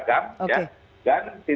bagaimana menjelaskan tentang argumen agama